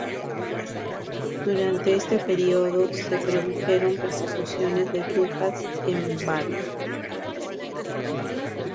Durante este periodo se produjeron persecuciones de brujas en Baden.